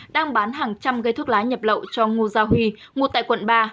đang bán hàng trăm cây thuốc lá nhập lậu cho ngô gia huy ngụ tại quận ba